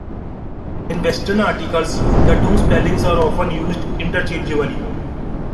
In Western articles the two spellings are often used interchangeably.